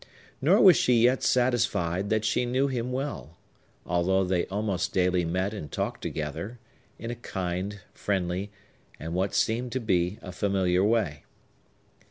Nor was she yet satisfied that she knew him well, although they almost daily met and talked together, in a kind, friendly, and what seemed to be a familiar way.